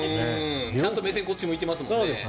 ちゃんと目線こっち向いてますもんね。